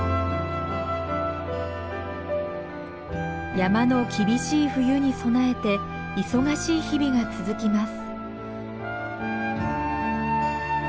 山の厳しい冬に備えて忙しい日々が続きます。